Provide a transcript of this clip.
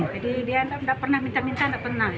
jadi dia tidak pernah minta minta tidak pernah